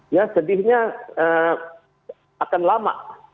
ya sedihnya akan lama